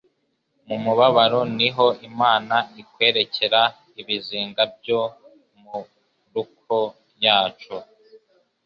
Mu mubabaro niho Imana itwerekera ibizinga byo mu ruko yacu,